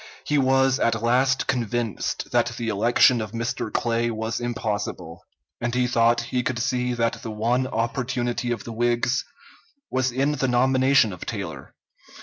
He was at last convinced that the election of Mr. Clay was impossible, and he thought he could see that the one opportunity of the Whigs was in the nomination of Taylor.